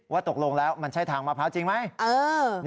ตกลงแล้วมันใช่ทางมะพร้าวจริงไหม